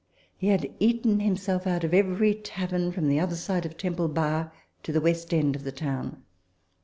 He had eaten himself out of every tavern from the other side of Temple Bar to the West end of the town.